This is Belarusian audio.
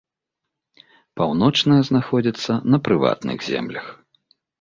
Паўночная знаходзіцца на прыватных землях.